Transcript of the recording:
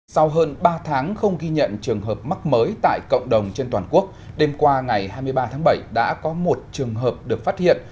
sau hơn ba tháng không ghi nhận trường hợp mắc mới tại cộng đồng trên toàn quốc đêm qua ngày hai mươi ba tháng bảy đã có một trường hợp được phát hiện